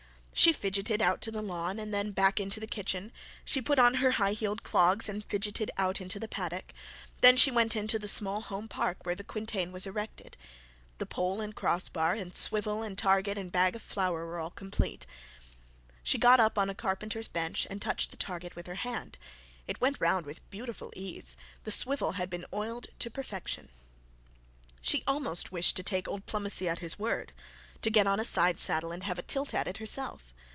She fidgeted out to the lawn, and then back into the kitchen. She put on her high heeled clogs, and fidgeted out into the paddock. Then she went into the small home park where the quintain was erected. The pole and cross bar and the swivel, and the target and the bag of flour were all complete. She got up on a carpenter's bench and touched the target with her hand; it went round with beautiful ease; the swivel had been oiled to perfection. She almost wished to take old Plomacy at his word, to go on a side saddle, and have a tilt at it herself.